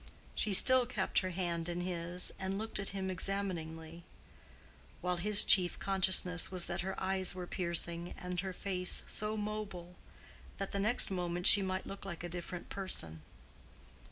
She still kept her hand in his and looked at him examiningly; while his chief consciousness was that her eyes were piercing and her face so mobile that the next moment she might look like a different person.